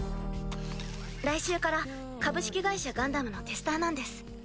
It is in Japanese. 来週から「株式会社ガンダム」のテスターなんです。